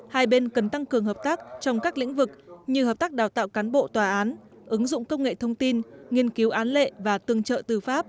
hai bên cần tăng cường hợp tác trong các lĩnh vực như hợp tác đào tạo cán bộ tòa án ứng dụng công nghệ thông tin nghiên cứu án lệ và tương trợ tư pháp